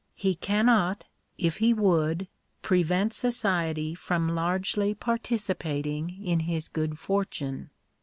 He cannot, if he would, prevent society from largely participating in his good fortune.